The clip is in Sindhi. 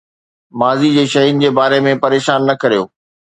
ماضي جي شين جي باري ۾ پريشان نه ڪريو